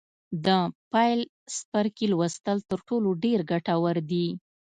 د پیل څپرکي لوستل تر ټولو ډېر ګټور دي.